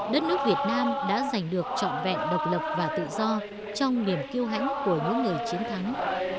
đất nước việt nam đã giành được trọn vẹn độc lập và tự do trong niềm kiêu hãnh của những người chiến thắng